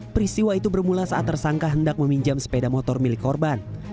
peristiwa itu bermula saat tersangka hendak meminjam sepeda motor milik korban